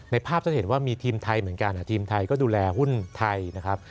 ภาพท่านเห็นว่ามีทีมไทยเหมือนกันทีมไทยก็ดูแลหุ้นไทยนะครับ